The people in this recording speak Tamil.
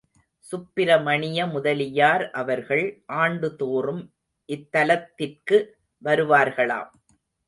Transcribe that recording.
சுப்பிரமணிய முதலியார் அவர்கள், ஆண்டு தோறும் இத்தலத்திற்கு வருவார்களாம்.